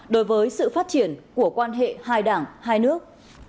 đối với sự phát triển của quan hệ hai đảng hai nước